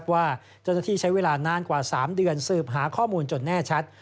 ว่าเจ้าหน้าที่ใช้เวลานานกว่า๓เดือนสืบหาข้อมูลจนแน่ชัด